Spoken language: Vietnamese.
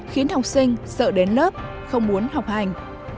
khiến học sinh sợ đến lớp không muốn học hành